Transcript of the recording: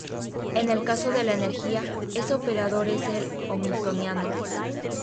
En el caso de la energía, ese operador es el hamiltoniano.